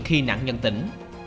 khi nạn nhân tỉnh